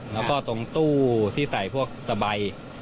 แล้วก็ตรงตู้ที่ใส่พวกสบาย